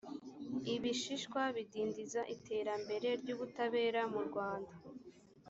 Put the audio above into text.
ibishishwa bidindiza iterambere ry ubutabera mu rwanda.